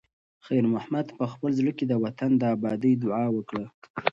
خیر محمد په خپل زړه کې د وطن د ابادۍ دعا وکړه.